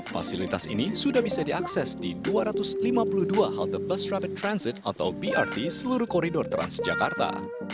fasilitas ini sudah bisa diakses di dua ratus lima puluh dua halte bus rapid transit atau brt seluruh koridor transjakarta